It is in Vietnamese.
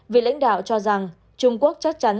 vị lãnh đạo cho rằng trung quốc chắc chắn